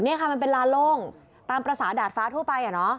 นี่ค่ะมันเป็นลานโล่งตามภาษาดาดฟ้าทั่วไป